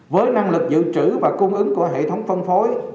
với năng lực dự trữ và cung ứng của hệ thống phân phối